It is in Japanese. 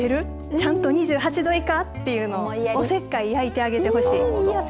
エアコンつけてるちゃんと２８度以下って言うのをおせっかい焼いてあげてほしい。